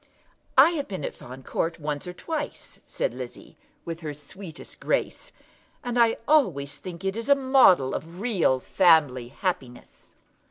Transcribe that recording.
"I have been at Fawn Court once or twice," said Lizzie, with her sweetest grace, "and I always think it a model of real family happiness."